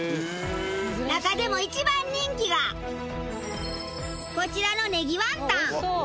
中でも一番人気がこちらのネギワンタン。